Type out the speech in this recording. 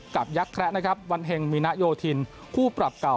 ยักษ์แคระนะครับวันเฮงมินโยธินคู่ปรับเก่า